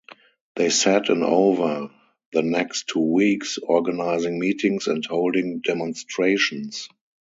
They sat-in over the next two weeks, organising meetings and holding demonstrations.